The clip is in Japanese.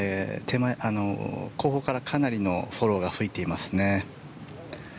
後方からかなりのフォローが吹いていますね。